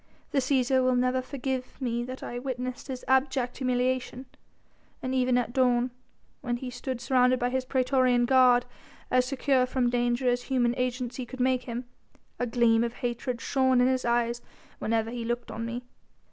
The Cæsar will never forgive me that I witnessed his abject humiliation. Even at dawn, when he stood surrounded by his praetorian guard, as secure from danger as human agency could make him, a gleam of hatred shone in his eyes whenever he looked on me.